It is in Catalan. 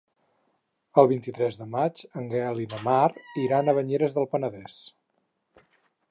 El vint-i-tres de maig en Gaël i na Mar iran a Banyeres del Penedès.